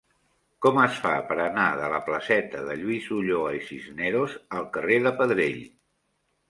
Com es fa per anar de la placeta de Lluís Ulloa i Cisneros al carrer de Pedrell?